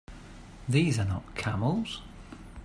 These are not camels!